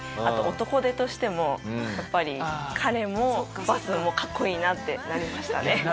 あと男手としてもやっぱり彼もバスも格好いいなってなりましたね。